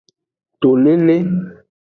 To lele.